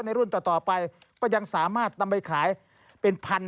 รุ่นต่อไปก็ยังสามารถนำไปขายเป็นพัน